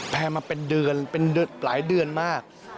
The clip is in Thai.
แพร่มาเป็นเดือนเป็นหลายเดือนมาก